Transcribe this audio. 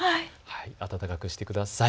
暖かくしてください。